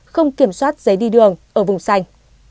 không kiểm soát giấy đi đường ở vùng xanh